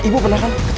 kamu sudah kalau